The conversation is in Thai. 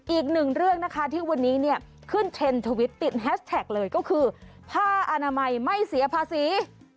อีกหนึ่งเรื่องนะคะที่วันนี้เนี่ยขึ้นเทรนด์ทวิตติดแฮชแท็กเลยก็คือผ้าอนามัยไม่เสียภาษี